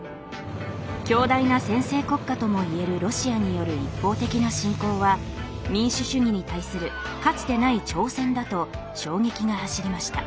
強大な専制国家ともいえるロシアによる一方的な侵攻は民主主義に対するかつてない挑戦だと衝撃が走りました。